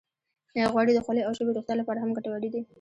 غوړې د خولې او ژبې روغتیا لپاره هم ګټورې دي.